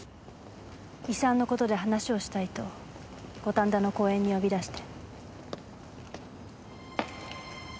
遺産の事で話をしたいと五反田の公園に呼び出して。